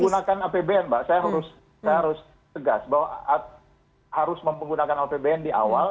gunakan apbn mbak saya harus tegas bahwa harus menggunakan apbn di awal